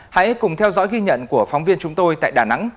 hãy cùng theo dõi ghi nhận của phóng viên chúng tôi tại đà nẵng